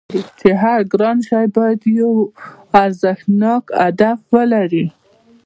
چې هر ګران شی باید یو ارزښتناک هدف ولري